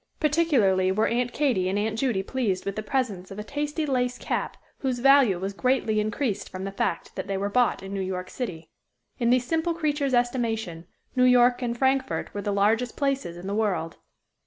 Particularly were Aunt Katy and Aunt Judy pleased with the present of a tasty lace cap, whose value was greatly increased from the fact that they were bought in New York City. In these simple creatures' estimation, New York and Frankfort were the largest places in the world.